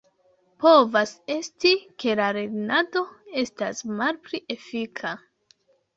Povas esti, ke la lernado estas malpli efika.